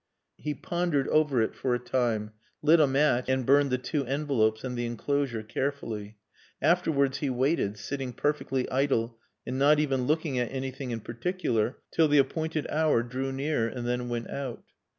He pondered over it for a time, lit a match, and burned the two envelopes and the enclosure carefully. Afterwards he waited, sitting perfectly idle and not even looking at anything in particular till the appointed hour drew near and then went out.